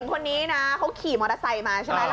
ผู้หญิงคนนี้นะเขาขี่มอเตอร์ไซส์มาใช่ไหม